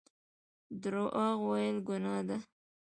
درواغ ویل ګناه ده